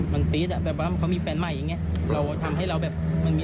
มันมีอารมณ์